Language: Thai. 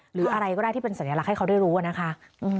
หรืออะไรก็ได้ที่เป็นสัญลักษณ์ให้เขาได้รู้นะคะ